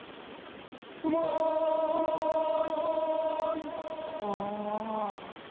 「うまい」お。